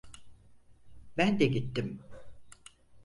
Ben de gittim.